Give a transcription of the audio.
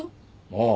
ああ。